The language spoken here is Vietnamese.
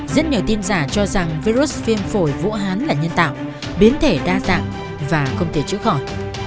rất nhiều tin giả cho rằng virus viêm phổi vũ hán là nhân tạo biến thể đa dạng và không thể chữa khỏi